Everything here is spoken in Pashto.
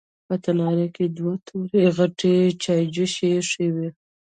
په تناره کې دوه تورې غټې چايجوشې ايښې وې.